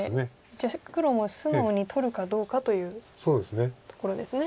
じゃあ黒も素直に取るかどうかというところですね。